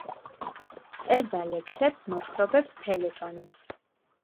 წერდა ლექსებს, მოთხრობებს, ფელეტონებს.